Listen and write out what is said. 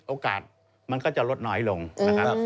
โอกาสมันก็จะลดน้อยลงนะครับ